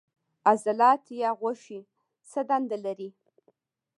عضلات یا غوښې څه دنده لري